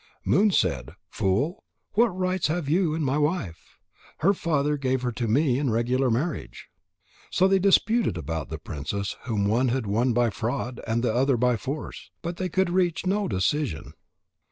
Moon said: "Fool! What rights have you in my wife? Her father gave her to me in regular marriage." So they disputed about the princess whom one had won by fraud and the other by force. But they could reach no decision.